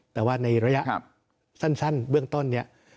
แต่ว่าในระยะสั้นเบื้องต้นเนี่ย